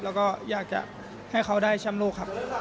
แล้วก็อยากจะให้เขาได้แชมป์โลกครับ